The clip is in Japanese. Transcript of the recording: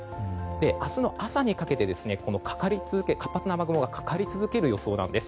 明日の朝にかけて活発な雨雲がかかり続ける予想なんです。